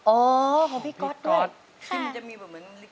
โอ้โฮของพี่ก๊อตด้วยค่ะพี่ก๊อตมันจะมีเหมือนน้องลิเก